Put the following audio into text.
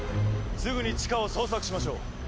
すぐに地下を捜索しましょう。